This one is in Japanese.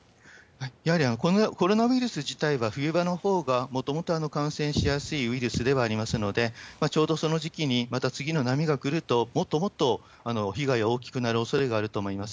やはりコロナウイルス自体は冬場のほうが、もともと感染しやすいウイルスではありますので、ちょうどその時期にまた次の波が来ると、もっともっと被害は大きくなるおそれがあると思います。